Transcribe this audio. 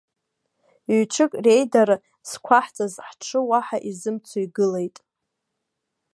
Ҩ-ҽык реидара зқәаҳҵаз ҳҽы уаҳа изымцо игылеит.